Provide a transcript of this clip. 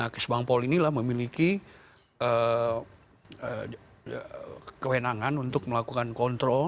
cash bank paul ini memiliki kewenangan untuk melakukan kontrol